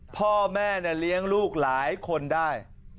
พ่อแม่เลี้ยงลูกหลายคนได้